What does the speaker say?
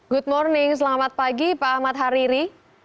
good morning selamat pagi pak ahmad hariri